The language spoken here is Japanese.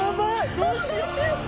どうしよう。